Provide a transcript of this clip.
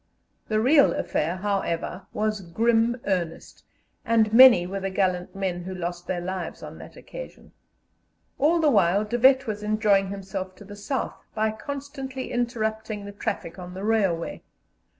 The real affair, however, was grim earnest, and many were the gallant men who lost their lives on that occasion. All the while De Wet was enjoying himself to the south by constantly interrupting the traffic on the railway.